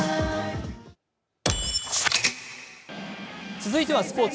続いてはスポーツ。